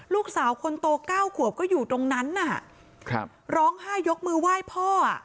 ลูกสาวคนโตเก้าขวบก็อยู่ตรงนั้นน่ะครับร้องไห้ยกมือไหว้พ่ออ่ะ